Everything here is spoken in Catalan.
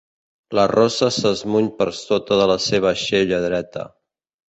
La rossa s'esmuny per sota de la seva aixella dreta.